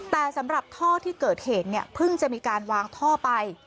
แต่สำหรับท่อที่เกิดเหตุเนี่ยเพิ่งจะมีการวางท่อไป